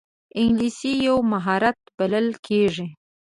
انګلیسي یو مهارت بلل کېږي